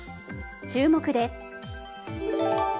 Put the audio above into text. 注目です。